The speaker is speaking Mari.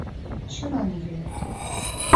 Чылан йӱыт...